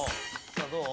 さあどう？